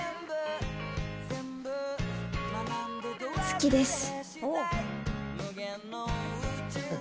好きです。